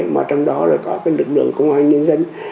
mà trong đó là có cái lực lượng công an nhân dân